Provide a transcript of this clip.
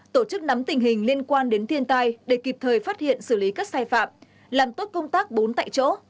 tổ chức nắm tình hình liên quan đến thiên tai để kịp thời phát hiện xử lý các sai phạm làm tốt công tác bốn tại chỗ